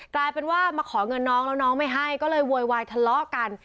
กลายเป็นว่ามาขอเงินน้องแล้วน้องไม่ให้ก็เลยโวยวายทะเลาะกัน